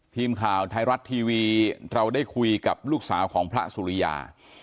ทีมข่าวไทยรัฐทีวีเราได้คุยกับลูกสาวของพระสุริยา